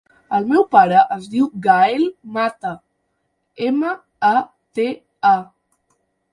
El meu pare es diu Gaël Mata: ema, a, te, a.